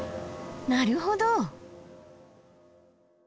なるほど。